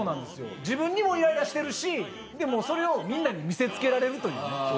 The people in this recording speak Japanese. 自分にもイライラしてるし、それをみんなに見せつけられるというか。